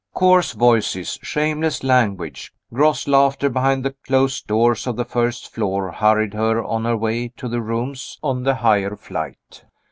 Coarse voices, shameless language, gross laughter behind the closed doors of the first floor hurried her on her way to the rooms on the higher flight.